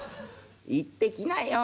行ってきなよ。